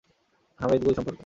হামিদ গুল সম্পর্কে!